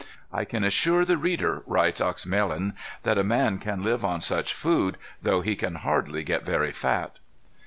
"I can assure the reader," writes Oexemelin, "that a man can live on such food, though he can hardly get very fat."